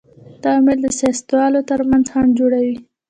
دا عامل د سیاستوالو تر منځ خنډ جوړوي.